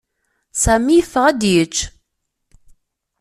Sami yeffeɣ ad yečč.